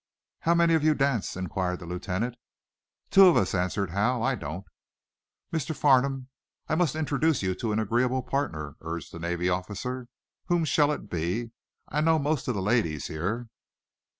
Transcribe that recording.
"How many of you dance?" inquired the lieutenant. "Two of us," answered Hal. "I don't." "Mr. Farnum, I must introduce you to an agreeable partner," urged the Navy officer. "Who shall it be? I know most of the ladies here."